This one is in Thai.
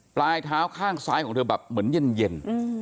ปลายเท้าข้างซ้ายของเธอแบบเหมือนเย็น